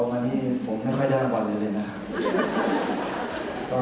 วันนี้ผมไม่ค่อยได้รางวัลเดือนนะคะ